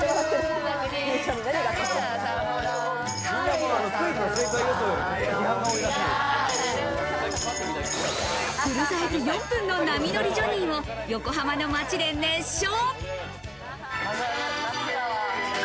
フルサイズ４分の『波乗りジョニー』を横浜の街で熱唱。